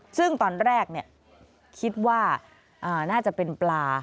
ซึ่งตอนแรกคิดว่าน่าจะเป็นปลา